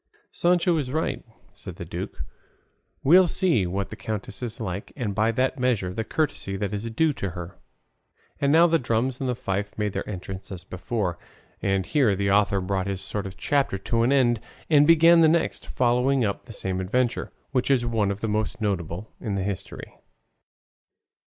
"Sancho is right," said the duke; "we'll see what the countess is like, and by that measure the courtesy that is due to her." And now the drums and fife made their entrance as before; and here the author brought this short chapter to an end and began the next, following up the same adventure, which is one of the most notable in the history.